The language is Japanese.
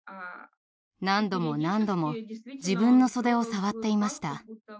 何度も何度も自分の袖を触っていました。